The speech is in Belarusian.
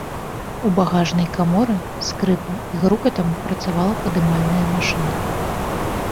У багажнай каморы з скрыпам і грукатам працавала падымальная машына.